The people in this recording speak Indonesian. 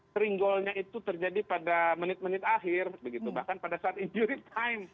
sering golnya itu terjadi pada menit menit akhir bahkan pada saat injury time